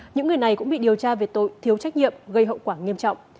những người này cũng bị điều tra về tội thiếu trách nhiệm gây hậu quả nghiêm trọng